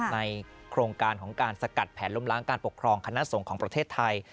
ในโครงการของการสกัดแผนล้มล้างการปกครองคณะสงฆ์ของประเทศไทย